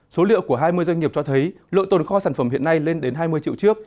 số liệu của hai mươi doanh nghiệp cho thấy lượng tồn kho sản phẩm hiện nay lên đến hai mươi triệu chiếc